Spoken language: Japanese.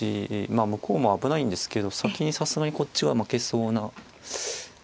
まあ向こうも危ないんですけど先にさすがにこっちは負けそうな。